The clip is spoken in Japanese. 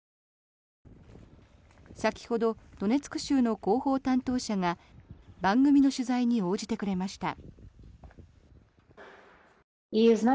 先ほどドネツク州の広報担当者が番組の取材に応じてくれました。